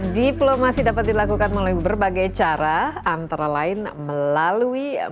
diplomasi dapat dilakukan melalui berbagai cara antara lain melalui